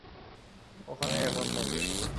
ওখানেই এখন থাকে।